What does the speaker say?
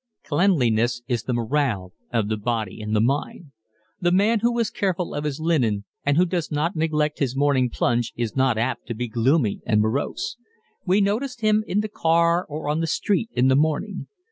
Cleanliness is the morale of the body and the mind. The man who is careful of his linen and who does not neglect his morning plunge is not apt to be gloomy and morose. We notice him in the car or on the street in the morning.